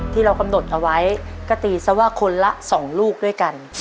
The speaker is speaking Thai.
ที่เรากำหนดเอาไว้ก็ตีซะว่าคนละ๒ลูกด้วยกัน